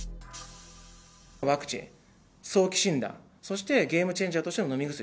ワクチン、早期診断、そしてゲームチェンジャーとしての飲み薬。